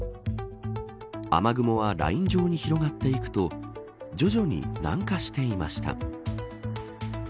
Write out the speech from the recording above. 雨雲はライン状に広がっていくと徐々に南下していました。